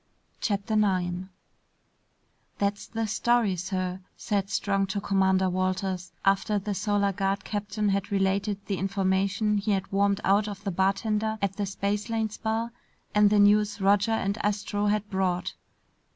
CHAPTER 9 "That's the story, sir," said Strong to Commander Walters, after the Solar Guard captain had related the information he had wormed out of the bartender at the Spacelanes Bar and the news Roger and Astro had brought.